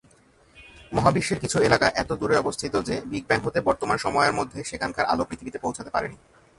মহাবিশ্বের কিছু এলাকা এত দূরে অবস্থিত যে বিগ ব্যাং হতে বর্তমান সময়ের মধ্যে সেখানকার আলো পৃথিবীতে পৌঁছাতে পারেনি।